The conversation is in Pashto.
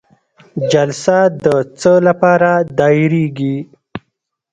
جلسه د څه لپاره دایریږي؟